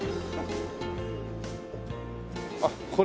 あっこれ。